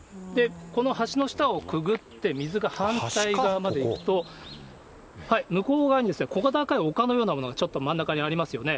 この橋の下をくぐって、水が反対側まで行くと、向こう側に小高い丘のようなものがちょっと真ん中にありますよね。